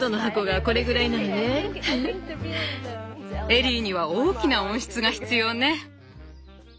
エリーには大きな温室が必要ね。